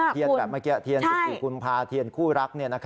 เทียนแบบเมื่อกี้เทียน๑๔กุมภาเทียนคู่รัก